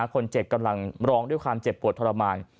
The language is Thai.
กำลังร้องด้วยความเจ็บปวดทรมาน